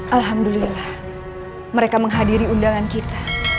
alhamdulillah mereka menghadiri undangan kita